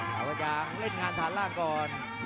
ขาวอาจารย์เล่นงานฐานล่างก่อน